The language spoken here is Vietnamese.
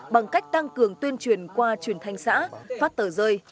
bằng cách tăng cường tuyên truyền qua truyền thanh xã phát tờ rơi